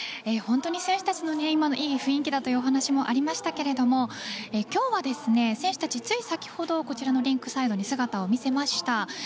本当に選手たちの今のいい雰囲気というお話もありましたが今日は選手たち、つい先ほどこちらのリンクサイドに姿を見せました。